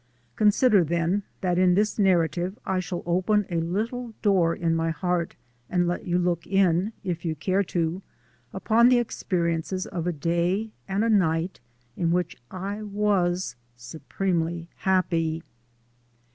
Consider then that in this narrative I shall open a little door in my heart and let you look in, if you care to, upon the experiences of a day and a night in which I was supremely happy.